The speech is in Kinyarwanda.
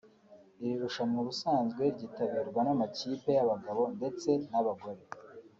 Iri rushanwa ubusanzwe ryitabirwa n’amakipe y’abagabo ndetse n’abagore